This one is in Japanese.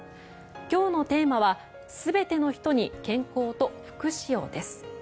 今日のテーマは「すべての人に健康と福祉を」です。